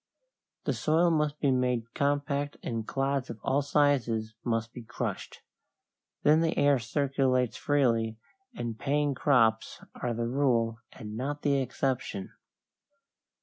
The soil must be made compact and clods of all sizes must be crushed. Then the air circulates freely, and paying crops are the rule and not the exception.